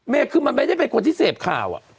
คือมันไม่ได้เป็นคนที่เสพข่าว